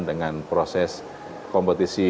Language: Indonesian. dengan proses kompetisi